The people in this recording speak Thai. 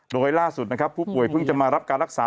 โดยล่าสุดนะครับผู้ป่วยเพิ่งจะมารับการรักษา